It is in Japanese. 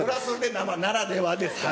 生ならではですから。